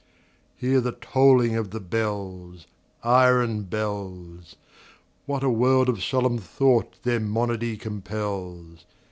Hear the tolling of the bells, Iron bells! What a world of solemn thought their monody compels!